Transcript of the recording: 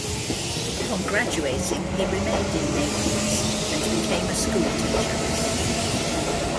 Upon graduating, he remained in Naples and became a schoolteacher.